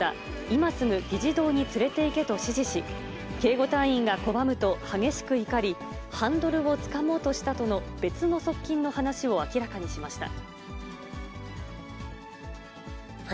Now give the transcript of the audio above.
今すぐ議事堂に連れていけと指示し、警護隊員が拒むと激しく怒り、ハンドルをつかもうとしたとの、別の側近の話を明らかにしました。